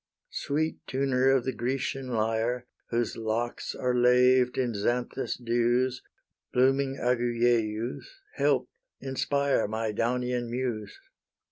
Sweet tuner of the Grecian lyre, Whose locks are laved in Xanthus' dews, Blooming Agyieus! help, inspire My Daunian Muse!